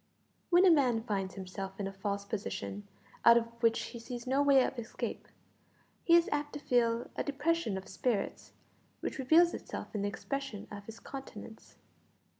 When a man finds himself in a false position, out of which he sees no way of escape, he is apt to feel a depression of spirits which reveals itself in the expression of his countenance.